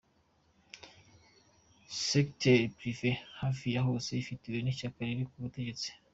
Secteur privé, hafi ya yose, ifitwe n’ishyaka riri ku butegetsi.